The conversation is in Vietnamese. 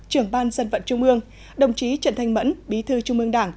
trưởng ban dân vận trung ương đồng chí trần thanh mẫn bí thư trung ương đảng